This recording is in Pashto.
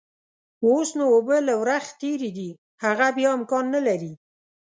اوس نو اوبه له ورخ تېرې دي، هغه بيا امکان نلري.